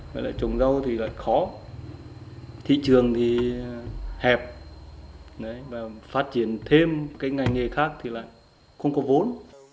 với lại trồng rau thì lại khó thị trường thì hẹp và phát triển thêm cái ngành nghề khác thì lại không có vốn